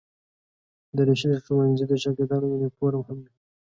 دریشي د ښوونځي د شاګردانو یونیفورم هم وي.